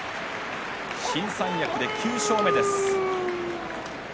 新三役で９勝目です。